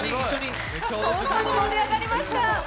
本当に盛り上がりました。